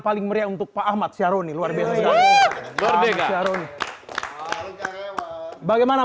paling meriah untuk pak ahmad syaroni luar biasa luar biasa bagaimana